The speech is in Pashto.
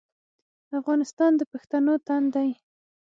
افغانستان د پښتنو تن دی